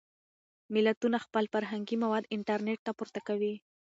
ملتونه خپل فرهنګي مواد انټرنټ ته پورته کوي.